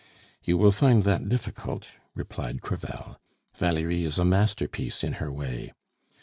"You will find that difficult," replied Crevel. "Valerie is a masterpiece in her way.